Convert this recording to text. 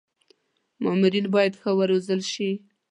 مامورین باید ښه و روزل شي.